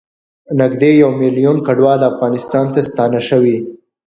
نږدې یوه میلیون کډوال افغانستان ته ستانه شوي